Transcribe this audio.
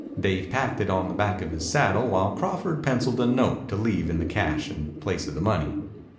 Dave packed it on the back of his saddle while Crawford penciled a note to leave in the cache in place of the money.